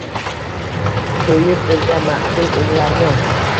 Tuyib dilda masʼum unlarni